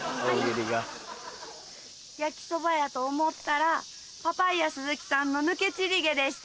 焼きそばやと思ったらパパイヤ鈴木さんの抜けチリ毛でした。